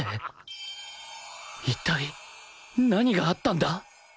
一体何があったんだ！？